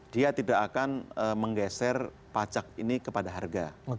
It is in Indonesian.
dia tidak akan menggeser pajak ini kepada harga